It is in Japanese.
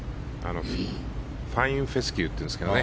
ファインフェスキューというんですけどね。